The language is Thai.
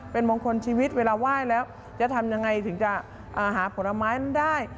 เป็นมงคลชีวิตเวลาไหว้แล้วจะทำยังไงถึงจะหาผลไม้นั้นได้